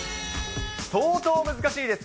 相当難しいです。